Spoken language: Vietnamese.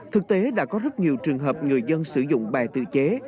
thực tế đã có rất nhiều trường hợp người dân sử dụng bè tự chế